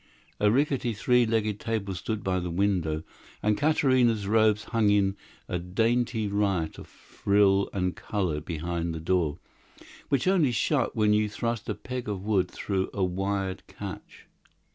A rickety three legged table stood by the window, and Katarina's robes hung in a dainty riot of frill and color behind the door, which only shut when you thrust a peg of wood through a wired catch.